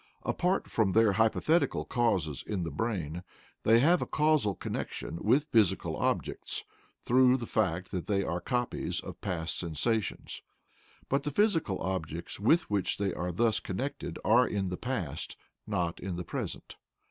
Apart from their hypothetical causes in the brain, they have a causal connection with physical objects, through the fact that they are copies of past sensations; but the physical objects with which they are thus connected are in the past, not in the present.